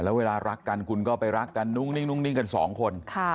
แล้วเวลารักกันคุณก็ไปรักกันนุ่งกันสองคน